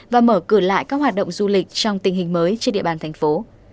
và mở cửa lại các hoạt động du lịch trong tình hình mới trên địa bàn thành phố